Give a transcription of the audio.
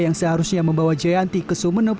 yang seharusnya membawa jayanti ke sumeneb